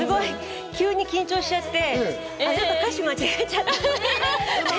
急に緊張しちゃって歌詞間違えちゃった。